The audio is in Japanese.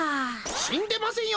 死んでませんよ！